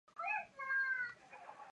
该市场也成为日立的的企业都市。